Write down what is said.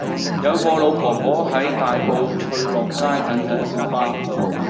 有個老婆婆喺大埔翠樂街等緊小巴